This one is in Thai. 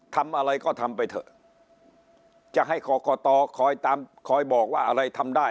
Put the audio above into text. ทำอะไรก็ทำไปเถอะจะให้กรกตคอยตามคอยบอกว่าอะไรทำได้